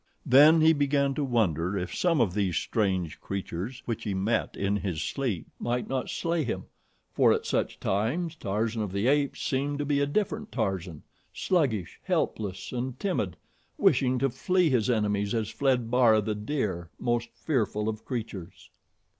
Then he commenced to wonder if some of these strange creatures which he met in his sleep might not slay him, for at such times Tarzan of the Apes seemed to be a different Tarzan, sluggish, helpless and timid wishing to flee his enemies as fled Bara, the deer, most fearful of creatures.